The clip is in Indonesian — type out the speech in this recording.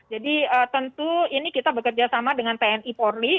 jadi tentu ini kita bekerja sama dengan tni porli